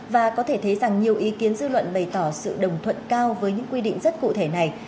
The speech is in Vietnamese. và có thể thấy rằng nhiều ý kiến dư luận bày tỏ sự đồng thuận cao với những quy định rất cụ thể này